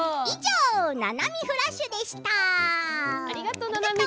「ななみフラッシュ」でした。